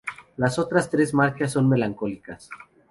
Las otras tres marchas son más melancólicas.